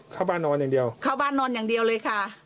เข้าบ้านนอนอย่างเดียวเข้าบ้านนอนอย่างเดียวเลยค่ะ